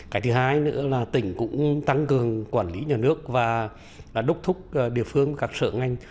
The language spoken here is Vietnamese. cái thứ hai nữa là tỉnh cũng tăng cường quản lý nhà nước và đốc thúc địa phương các sở ngành